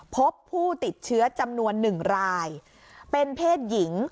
พบผู้ติดเชื้อจำนวน๑รายเป็นเพศหญิง